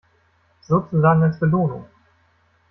Sozusagen als Belohnung.